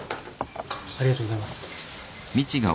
ありがとうございます。